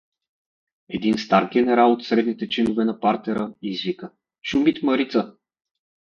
Един стар генерал от средните чинове на партера извика: — Шумит Марица!